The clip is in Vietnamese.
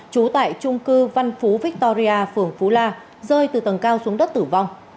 trú tại trung cư văn phú victoria phường phú la rơi từ tầng cao xuống đất tử vong